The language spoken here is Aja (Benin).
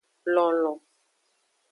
Lonlon.